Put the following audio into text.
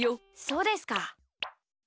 そうですか。